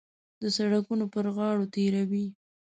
د سړکونو پر غاړو تېروي.